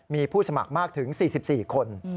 มีผู้สมัครมากถึง๔๔คน